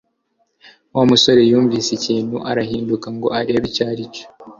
Wa musore yumvise ikintu arahindukira ngo arebe icyo aricyo